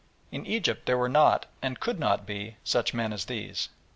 In Egypt there were not, and could not be, such men as these.